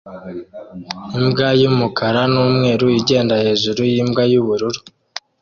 Imbwa y'umukara n'umweru igenda hejuru y'imbwa y'ubururu